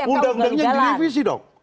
undang undangnya direvisi dong